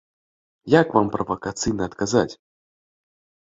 Як вам правакацыйна адказаць?